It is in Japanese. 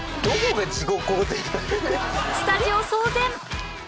スタジオ騒然！